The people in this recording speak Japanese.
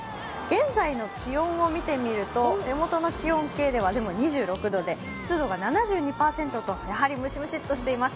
現在の気温を見てみると手元の気温計では２６度で湿度が７２％とやはりムシムシっとしています。